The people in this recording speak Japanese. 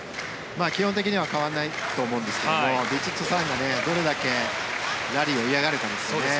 基本的には変わらないと思うんですがヴィチットサーンがどれだけラリーを嫌がるかですね。